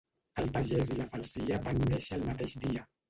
El pagès i la falsia van néixer el mateix dia.